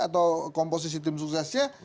atau komposisi tim suksesnya